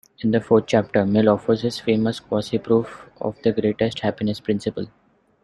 In the fourth chapter Mill offers his famous quasi-proof of the greatest-happiness principle.